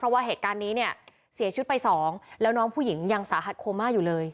เพราะว่าเหตุการณ์นี้เนี่ยเสียชีวิตไปสองแล้วน้องผู้หญิงยังสาหัสโคม่าอยู่เลย